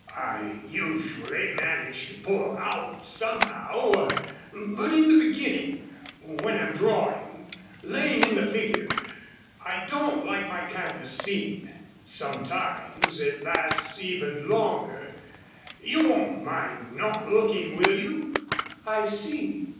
I usually manage to pull out somehow but in the beginning when I'm drawing, laying in the figure I don't like my canvas seen. Sometimes it lasts even longer. You won't mind not looking, will you?" "I see.